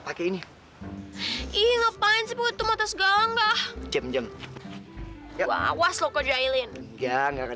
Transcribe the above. kayak gini ih ngapain sih buat tomat segala enggak jam jam ya waslo ke jailin ya nggak